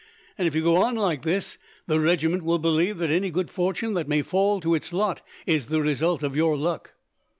"And, if you go on like this, the regiment will believe that any good fortune that may fall to its lot is the result of your luck."